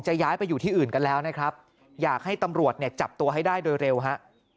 ย้ายไปอยู่ที่อื่นกันแล้วนะครับอยากให้ตำรวจเนี่ยจับตัวให้ได้โดยเร็วฮะ